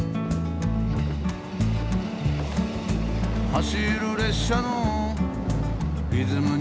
「走る列車のリズムにあわせ」